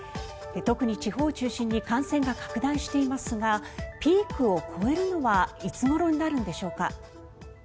特に地方を中心に感染が拡大していますがピークを越えるのはいつ頃になるのでしょうか。